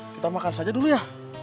kita makan saja dulu ya